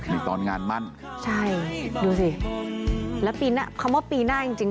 นี่ตอนงานมั่นใช่ดูสิแล้วปีหน้าคำว่าปีหน้าจริงจริง